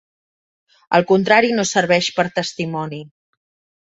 El contrari no serveix per testimoni.